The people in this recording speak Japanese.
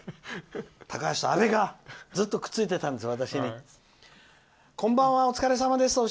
高橋とあべがずっとくっついてたんですよ